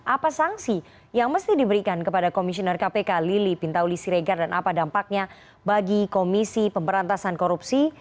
apa sanksi yang mesti diberikan kepada komisioner kpk lili pintauli siregar dan apa dampaknya bagi komisi pemberantasan korupsi